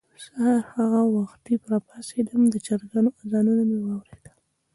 سهار ښه وختي راپاڅېدم، د چرګانو اذانونه مې واورېدل.